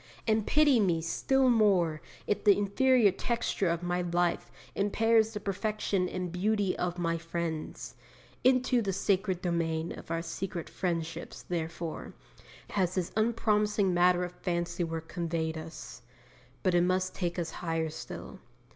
And pity me still more if the inferior texture of my life impairs the perfection and beauty of my friend's! Into the sacred domain of our sweetest friendships, therefore, has this unpromising matter of fancy work conveyed us. But it must take us higher still.